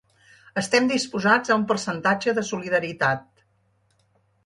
Estem disposats a un percentatge de solidaritat.